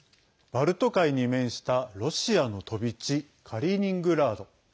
バルト海に面したロシアの飛び地カリーニングラード。